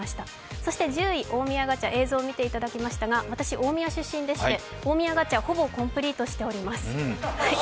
そして１０位、大宮ガチャ、映像見ていただきましたが、私、大宮出身でして、大宮ガチャ、ほぼコンプリートしております。